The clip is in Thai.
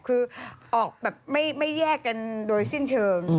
คือออกแบบไม่แยกกันโดยสิ้นเชิง